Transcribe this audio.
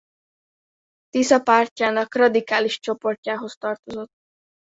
Tisza pártjának radikális csoportjához tartozott.